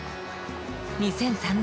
２００３年